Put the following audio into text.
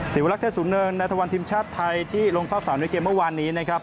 สิวลักษณ์เทศสูงเนินในทะวันทีมชาติไทยที่ลงฟาบ๓ในเกมเมื่อวานนี้นะครับ